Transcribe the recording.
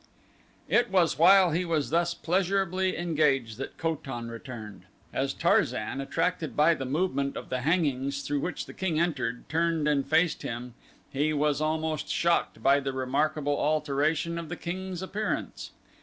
It was while he was thus pleasurably engaged that Ko tan returned. As Tarzan, attracted by the movement of the hangings through which the king entered, turned and faced him he was almost shocked by the remarkable alteration of the king's appearance.